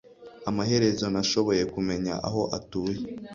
Amaherezo nashoboye kumenya aho atuye.